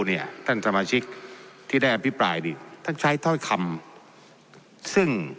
เนี่ยท่านสมาชิกที่ได้อภิปรายนี่ท่านใช้ถ้อยคำซึ่ง